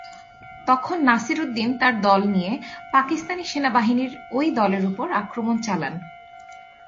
তখন নাসির উদ্দিন তার দল নিয়ে পাকিস্তানি সেনাবাহিনীর ওই দলের ওপর আক্রমণ চালান।